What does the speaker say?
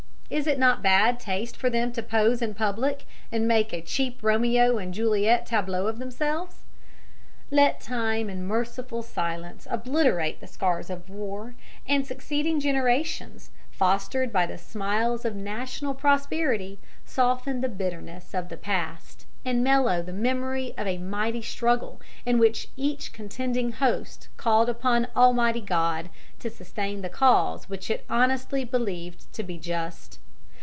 Is it not bad taste for them to pose in public and make a cheap Romeo and Juliet tableau of themselves? "Let time and merciful silence obliterate the scars of war, and succeeding generations, fostered by the smiles of national prosperity, soften the bitterness of the past and mellow the memory of a mighty struggle in which each contending host called upon Almighty God to sustain the cause which it honestly believed to be just."